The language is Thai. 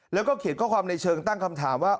แล้วก็เขียนข้อความในเชิงตั้งคำถามว่า